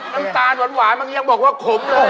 น้ำตาลหวานมันยังบอกว่าขมเลย